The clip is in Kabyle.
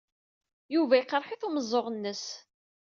Yuba yeqreḥ-it umeẓẓuɣ-nnes.